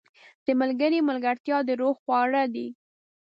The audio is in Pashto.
• د ملګري ملګرتیا د روح خواړه دي.